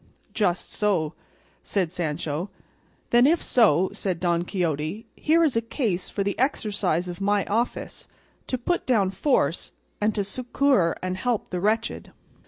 "Just so," said Sancho. "Then if so," said Don Quixote, "here is a case for the exercise of my office, to put down force and to succour and help the wretched."